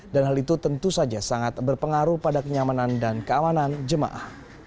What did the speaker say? dan hal itu tentu saja sangat berpengaruh pada kenyamanan dan keamanan jemaah